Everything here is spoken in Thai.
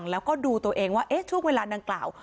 แล้วก็ดูตัวเองว่าเอ๊ะทุกเวลานั้นกล่าว